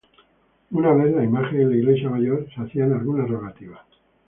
Una vez la Imagen en la Iglesia Mayor, se hacían algunas rogativas.